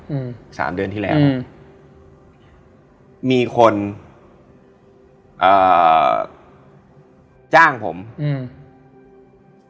อืมสามเดือนที่แล้วอืมมีคนอ่าจ้างผมอืม